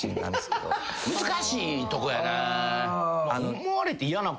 難しいとこやな。